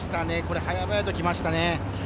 早々ときましたね。